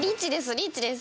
リーチです。